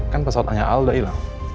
kan pesawatnya alda ilang